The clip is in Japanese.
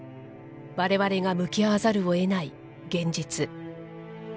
われわれが向き合わざるをえない現実。